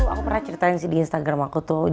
aku pernah ceritain sih di instagram aku tuh